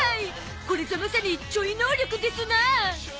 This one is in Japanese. これぞまさにちょい能力ですな！